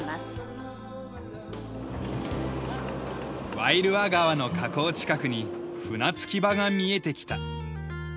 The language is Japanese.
ワイルア川の河口近くに船着き場が見えてきた。